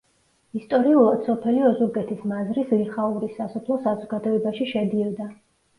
ისტორიულად სოფელი ოზურგეთის მაზრის ლიხაურის სასოფლო საზოგადოებაში შედიოდა.